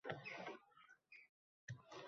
Vatanni haqiqiy sevishingni anglatadi.